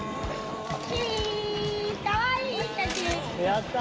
やった。